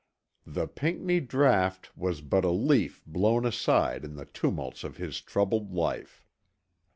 The Pinckney draught was but a leaf blown aside in the tumults of his troubled life.